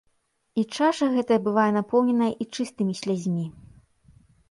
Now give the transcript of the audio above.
І чаша гэтая бывае напоўненая і чыстымі слязьмі.